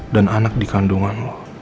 dan anak di kandungan lo